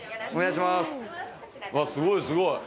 すごいすごい。